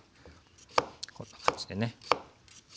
こんな感じでね。